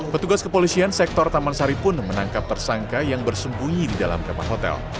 petugas kepolisian sektor taman sari pun menangkap tersangka yang bersembunyi di dalam kamar hotel